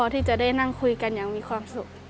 ที่จะได้นั่งคุยกันอย่างมีความสุข